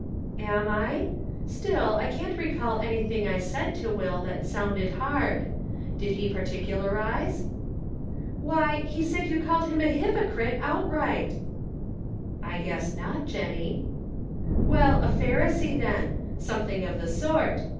" Am I ? Still, I can't recall anything I said to Will that sounded hard. Did he particu larize ?"" Why, he said you called him a hypocrite, outright." " I guess not, Jennie." "Well, a Pharisee, then — something of the sort.